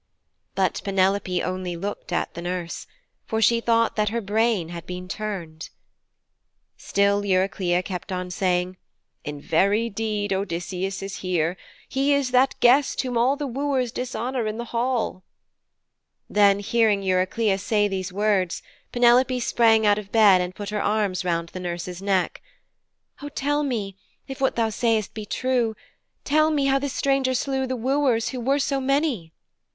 But Penelope only looked at the nurse, for she thought that her brain had been turned. Still Eurycleia kept on saying, 'In very deed Odysseus is here. He is that guest whom all the wooers dishonour in the hall.' Then hearing Eurycleia say these words, Penelope sprang out of bed and put her arms round the nurse's neck. 'O tell me if what thou dost say be true tell me how this stranger slew the wooers, who were so many.'